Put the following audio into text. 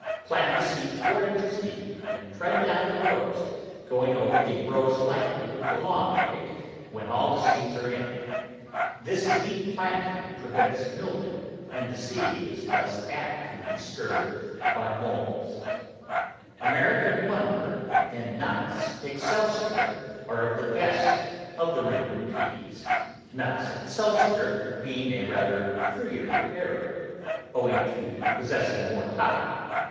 Plant the seed four inches deep and tread down the rows, going over the rows lightly with the lawn rake when all the seeds are in. This deep plant THE VEGETABLE GARDEN ing prevents mildew, and the seed is less apt to be disturbed by moles. American Wonder and Nott's Excelsior are of the best of the wrinkled peas, Nott's Excelsior being a rather freer bearer, owing to possessing more top.